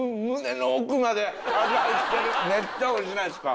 めっちゃおいしないっすか？